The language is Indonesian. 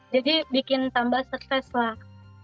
jadi bikin tambah stres lah